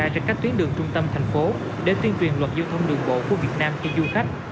tổ công tác sẽ cắt tuyến đường trung tâm thành phố để tuyên truyền luật giao thông đường bộ của việt nam cho du khách